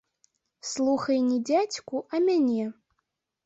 Слухай не дзядзьку, а мяне.